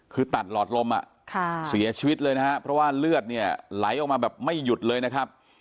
คือตัดหลอดลมเสียชีวิตเลยนะฮะเพราะว่าเลือดเนี่ยไหลออกมาแบบไม่หยุดเลยนะครับ